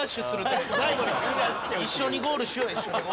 一緒にゴールしよう一緒にゴール。